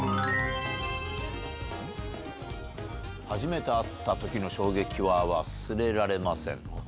「初めて会った時の衝撃は忘れられません」。